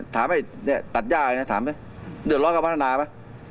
ถามให้ตัดย่ายนะถามด้วยเดือดร้อนกับพัฒนาปะ